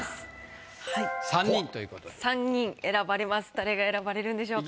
誰が選ばれるんでしょうか？